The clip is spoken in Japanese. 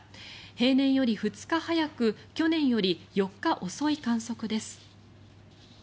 平年より２日早く去年より４日遅い観測です。